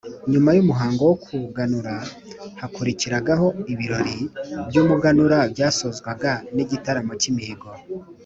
Nyuma y’umuhango wo kuganura, hakurikiragaho ibirori by’umuganura byasozwaga n’igitaramo cy’imihigo.